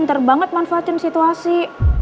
genter banget manfaatin situasi